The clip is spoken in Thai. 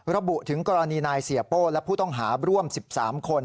ระบุถึงกรณีนายเสียโป้และผู้ต้องหาร่วม๑๓คน